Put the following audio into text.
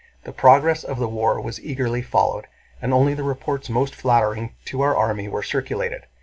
The progress of the war was eagerly followed, and only the reports most flattering to our army were circulated.